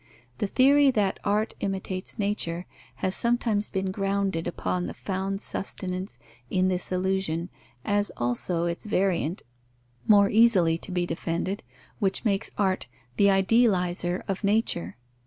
The theory that art imitates nature has sometimes been grounded upon and found sustenance in this illusion, as also its variant, more easily to be defended, which makes art the idealizer of nature.